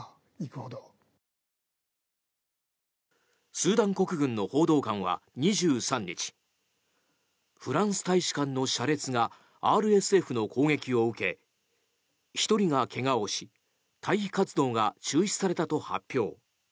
スーダン国軍の報道官は２３日フランス大使館の車列がＲＳＦの攻撃を受け１人が怪我をし退避活動が中止されたと発表。